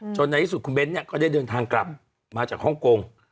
ในที่สุดคุณเบ้นเนี่ยก็ได้เดินทางกลับมาจากฮ่องกง